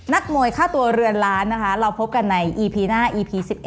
นักมวยค่าตัวเรือนล้านนะคะเราพบกันในอีพีหน้าอีพี๑๑